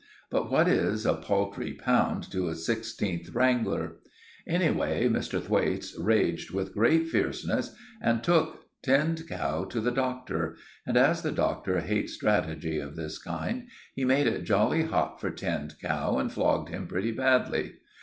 But what is a paltry pound to a sixteenth wrangler? Anyway Mr. Thwaites raged with great fierceness and took Tinned Cow to the Doctor; and as the Doctor hates strategy of this kind, he made it jolly hot for Tinned Cow and flogged him pretty badly.